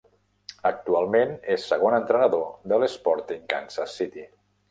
Actualment és segon entrenador de l'Sporting Kansas City.